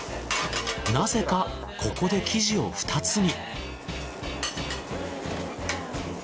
なぜかここで生地を２つに。